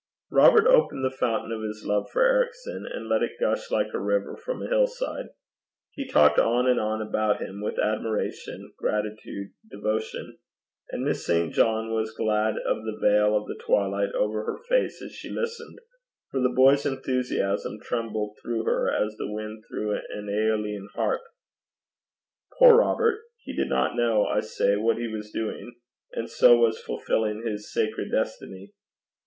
Robert opened the fountain of his love for Ericson, and let it gush like a river from a hillside. He talked on and on about him, with admiration, gratitude, devotion. And Miss St. John was glad of the veil of the twilight over her face as she listened, for the boy's enthusiasm trembled through her as the wind through an Æolian harp. Poor Robert! He did not know, I say, what he was doing, and so was fulfilling his sacred destiny.